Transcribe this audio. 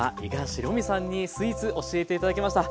しろみさんにスイーツ教えて頂きました。